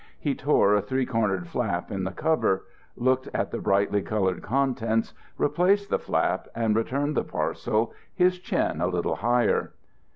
He tore a three cornered flap in the cover, looked at the brightly coloured contents, replaced the flap and returned the parcel, his chin a little higher.